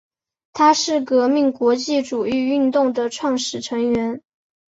它是革命国际主义运动的创始成员。